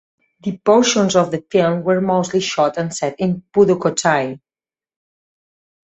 The portions of the film were mostly shot and set in Pudukkottai.